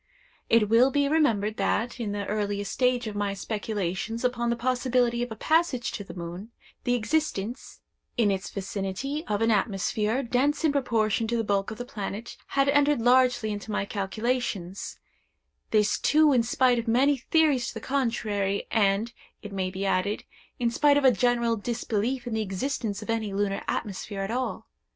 It will be remembered, that, in the earliest stage of my speculations upon the possibility of a passage to the moon, the existence, in its vicinity, of an atmosphere, dense in proportion to the bulk of the planet, had entered largely into my calculations; this too in spite of many theories to the contrary, and, it may be added, in spite of a general disbelief in the existence of any lunar atmosphere at all.